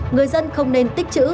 người dân không nên tích chữ